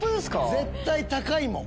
絶対高いもん。